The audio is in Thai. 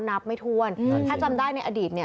นับไม่ทวนถ้าจำได้ในอดีต